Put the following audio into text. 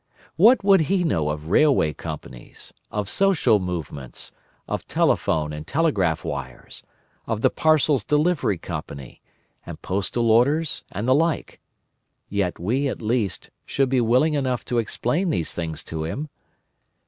What would he know of railway companies, of social movements, of telephone and telegraph wires, of the Parcels Delivery Company, and postal orders and the like? Yet we, at least, should be willing enough to explain these things to him!